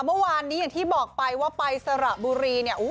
เมื่อวานนี้อย่างที่บอกไปว่าไปสระบุรีเนี่ย